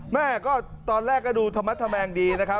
แม่ก็ตอนแรกก็ดูทำมัดทำแมงดี